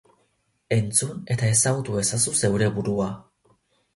Entzun eta ezagutu ezazu zeure burua!